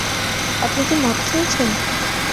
আপনি কি মদ খেয়েছেন?